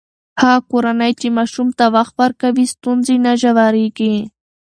هغه کورنۍ چې ماشوم ته وخت ورکوي، ستونزې نه ژورېږي.